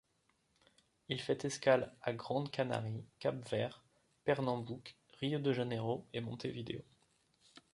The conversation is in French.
Il fait escale à Grande Canarie, Cap-Vert, Pernambouc, Rio de Janeiro et Montevideo.